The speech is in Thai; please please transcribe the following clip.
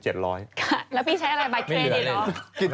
ค่ะแล้วพี่ใช้อะไรบัตรเทรดีหรอไม่เหลือเลย